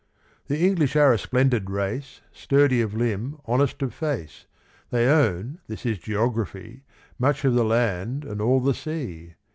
The English are a splendid race, Sturdy of limb, honest of face; They own (this is geography) Much of the land and all the sea.